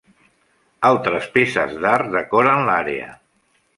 Altres peces d"art decoren l"àrea.